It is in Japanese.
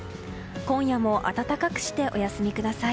今夜も暖かくしてお休みください。